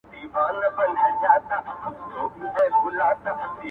ما ورکتل چي د مرګي پياله یې ونوشله٫